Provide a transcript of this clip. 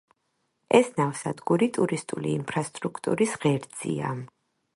ეს ნავსადგური ტურისტული ინფრასტრუქტურის ღერძია.